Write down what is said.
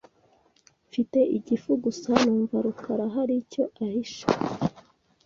Mfite igifu gusa numva rukara hari icyo ahishe .